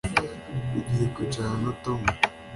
Ugiye kwicarana na Tom